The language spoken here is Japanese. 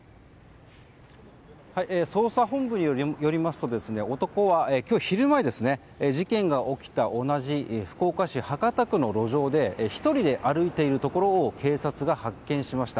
捜査本部によりますと男は今日昼前、事件が起きた同じ福岡市博多区の路上で１人で歩いているところを警察が発見しました。